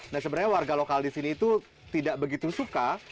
nah sebenarnya warga lokal disini itu tidak begitu suka